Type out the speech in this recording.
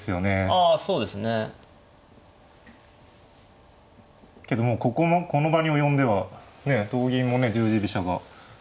あそうですね。けどもうここもこの場に及んではねえ同銀もね十字飛車が。